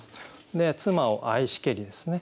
で「妻を愛しけり」ですね